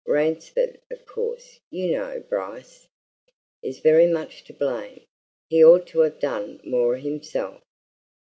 Ransford, of course, you know, Bryce, is very much to blame he ought to have done more himself.